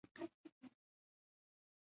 افغانستان کې د بزګان د پرمختګ هڅې روانې دي.